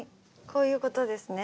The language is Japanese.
こういうことですね。